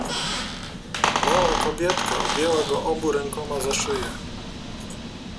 Mała kobietka objęła go obu rękoma za szyję.